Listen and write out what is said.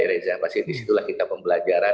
reza pasti disitulah kita pembelajaran